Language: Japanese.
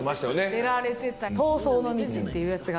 が出られてた「逃走の道」っていうやつがね